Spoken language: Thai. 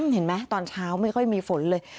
เห็นไหมตอนเช้าไม่ค่อยมีฝนเลย